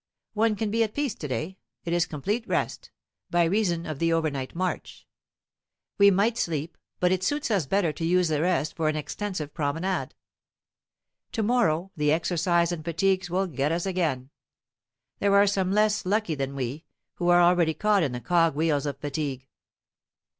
One can be at peace today it is complete rest, by reason of the overnight march. We might sleep, but it suits us much better to use the rest for an extensive promenade. To morrow, the exercise and fatigues will get us again. There are some, less lucky than we, who are already caught in the cogwheels of fatigue.